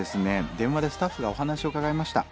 電話でスタッフがお話を伺いました。